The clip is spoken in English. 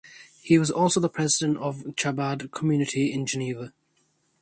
He was also President of the Chabad Community in Geneva.